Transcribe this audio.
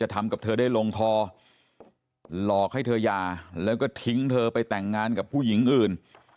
ทำกับเธอได้ลงคอหลอกให้เธอหย่าแล้วก็ทิ้งเธอไปแต่งงานกับผู้หญิงอื่น